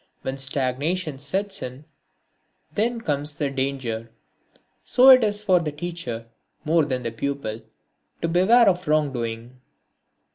When stagnation sets in then comes the danger. So it is for the teacher, more than the pupil, to beware of wrongdoing.